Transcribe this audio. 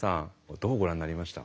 どうご覧になりました？